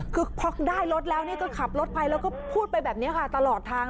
คือพล๊อกได้รถแล้วก็ขับรถไปแล้วก็พูดไปแบบนี้ค่ะ